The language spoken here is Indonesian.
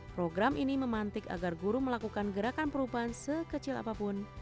program ini memantik agar guru melakukan gerakan perubahan sekecil apapun